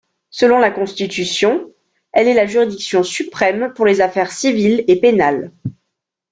Selon la Constitution, elle est la juridiction suprême pour les affaires civiles et pénales.